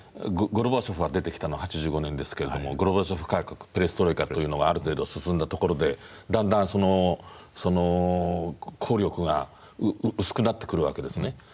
ゴルバチョフが出てきたのは８５年ですけれどゴルバチョフ改革ペレストロイカというのがある程度進んだところでだんだんその効力が薄くなってくるわけですね。